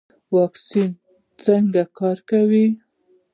واکسین څنګه کار کوي؟